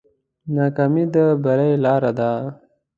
ناکامي د بری لاره ده.